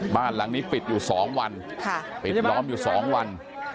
บ้านหลังนี้ปิดอยู่๒วันปิดล้อมอยู่๒วัน